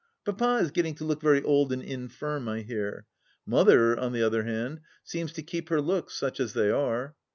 Papa is getting to look very old and infirm, I hear. Mother, on the other hand, seems to keep her looks, such as they are.